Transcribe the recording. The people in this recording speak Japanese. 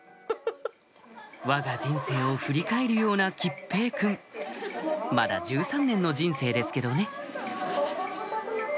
わが人生を振り返るような桔平君まだ１３年の人生ですけどね